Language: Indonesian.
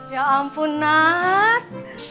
ya ampun nad